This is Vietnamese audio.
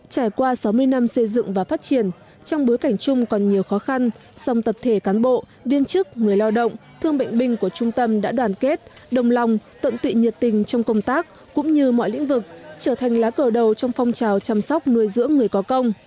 trải qua sáu mươi năm xây dựng và phát triển trong bối cảnh chung còn nhiều khó khăn song tập thể cán bộ viên chức người lao động thương bệnh binh của trung tâm đã đoàn kết đồng lòng tận tụy nhiệt tình trong công tác cũng như mọi lĩnh vực trở thành lá cờ đầu trong phong trào chăm sóc nuôi dưỡng người có công